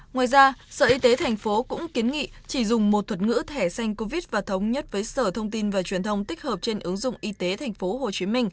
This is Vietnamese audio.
ngoài ra sở y tế tp cũng kiến nghị chỉ dùng một thuật ngữ thẻ xanh covid và thống nhất với sở thông tin và truyền thông tích hợp trên ứng dụng y tế tp hcm